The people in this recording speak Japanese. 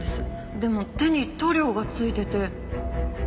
でも手に塗料が付いてて。